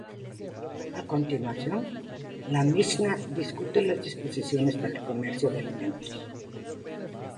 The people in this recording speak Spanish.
A continuación, la Mishná discute las disposiciones para el comercio de alimentos.